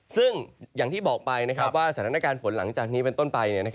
ซึ่งอย่างที่บอกไปว่าสถานการณ์ฝนหลังจากนี้เป็นต้นไป